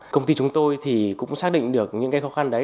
công ty chúng tôi cũng xác định được những khó khăn đấy